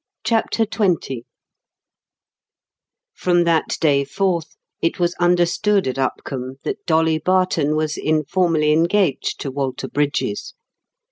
CHAPTER XX From that day forth it was understood at Upcombe that Dolly Barton was informally engaged to Walter Brydges.